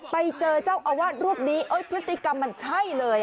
ไปเจอเจ้าอาวาสรูปนี้พฤติกรรมมันใช่เลย